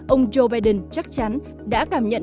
ông joe biden chắc chắn đã cảm nhận